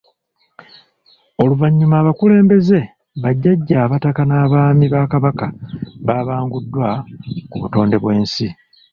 Oluvannyuma abakulembeze, bajjajja abataka n’abaami ba Kabaka babanguddwa ku butonde bw’ensi.